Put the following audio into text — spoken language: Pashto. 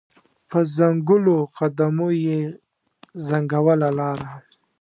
په ځنګولو قدمو یې ځنګوله لاره